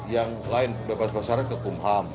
yang lain bebas persyarat ke kumham